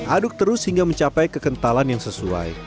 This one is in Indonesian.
aduk terus hingga mencapai kekentalan yang sesuai